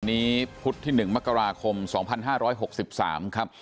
อันนี้พุฒิที่๑มกราคม๒๕๖๓ครับ